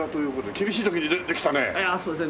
厳しい時にできたね。